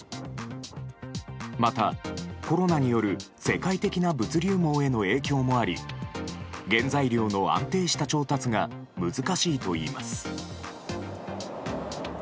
また、コロナによる世界的な物流網への影響もあり原材料の安定した調達が難しいといいます。